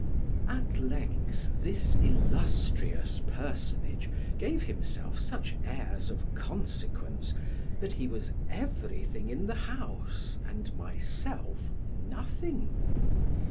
At length this illustrious personage gave himself such airs of consequence, that he was everything in the house, and myself nothing.